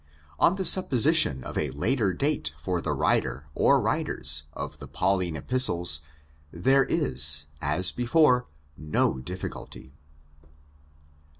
On the supposition of a later date for the writer, or writers, of the Pauline Epistles, there is, as before, no difficulty.